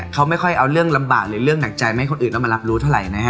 เขาไม่ค่อยเอาเรื่องลำบากหรือเรื่องหนักใจมาให้คนอื่นแล้วมารับรู้เท่าไหร่นะฮะ